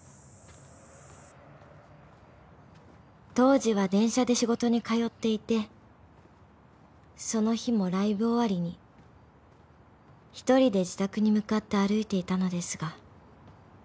［当時は電車で仕事に通っていてその日もライブ終わりに一人で自宅に向かって歩いていたのですが］